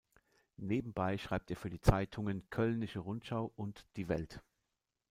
Nebenbei schreibt er für die Zeitungen Kölnische Rundschau und Die Welt.